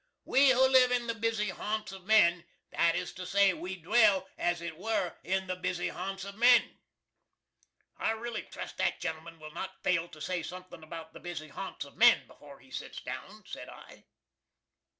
We who live in the busy haunts of men that is to say, we dwell, as it were, in the busy haunts of men." "I really trust that the gen'l'man will not fail to say suthin' about the busy haunts of men before he sits down," said I.